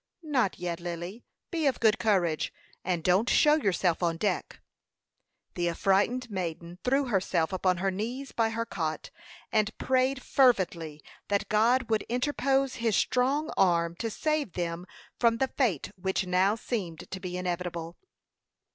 "Not yet, Lily. Be of good courage, and don't show yourself on deck." The affrighted maiden threw herself upon her knees by her cot, and prayed fervently that God would interpose his strong arm to save them from the fate which now seemed to be inevitable.